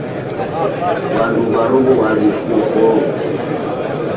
Wandu va Rombo waliwakurufo.